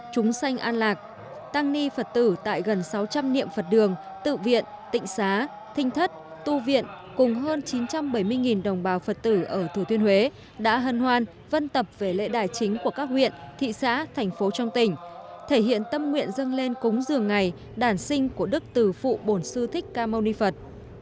trung sinh an lạc tăng ni phật tử tại gần sáu trăm linh niệm phật đường tự viện tịnh xá thinh thất tu viện cùng hơn chín trăm bảy mươi đồng bào phật tử ở thừa thiên huế đã hân hoan vân tập về lễ đài chính của các huyện thị xá thành phố trong tỉnh thể hiện tâm nguyện dâng lên cúng dường ngày đàn sinh của đức tử phụ bồn sư thích ca mâu ni phật